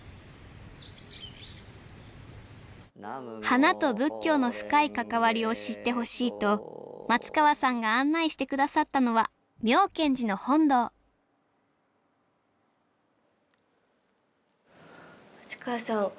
花と仏教の深い関わりを知ってほしいと松川さんが案内して下さったのは妙顕寺の本堂松川さん